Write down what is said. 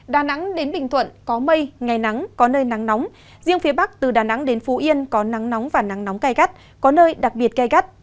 đà nẵng đến bình thuận có mây ngày nắng có nơi nắng nóng riêng phía bắc từ đà nẵng đến phú yên có nắng nóng và nắng nóng gai gắt có nơi đặc biệt gai gắt